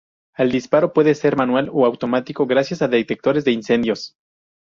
El disparo puede ser manual o automático gracias a detectores de incendios.